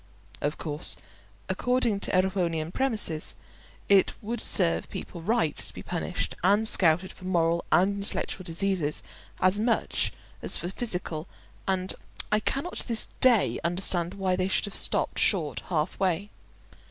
Of course, according to Erewhonian premises, it would serve people right to be punished and scouted for moral and intellectual diseases as much as for physical, and I cannot to this day understand why they should have stopped short half way.